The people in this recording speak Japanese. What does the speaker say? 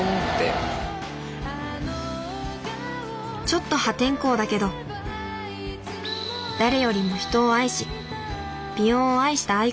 ちょっと破天荒だけど誰よりも人を愛し美容を愛した愛子さん。